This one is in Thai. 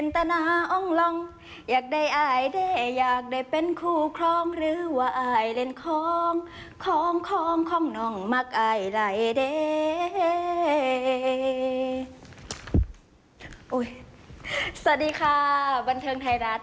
สวัสดีค่ะบันเทิงไทยรัฐ